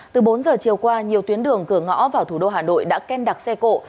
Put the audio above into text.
từ bốn giờ chiều qua nhiều tuyến đường cửa ngõ vào thủ đô hà nội đã ken đặc xe cộ